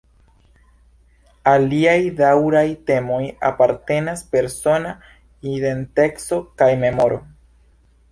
Al liaj daŭraj temoj apartenas persona identeco kaj memoro.